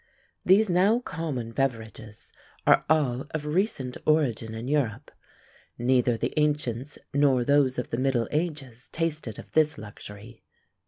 These now common beverages are all of recent origin in Europe; neither the ancients nor those of the middle ages tasted of this luxury.